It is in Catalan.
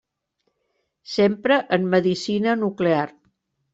S'empra en medicina nuclear.